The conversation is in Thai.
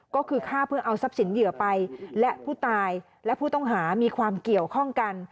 ก็คือฆ่าเพื่อเอาทรัพย์สินเหยื่อไปและผู้ตายและผู้ต้องหามีความเกี่ยวข้องกัน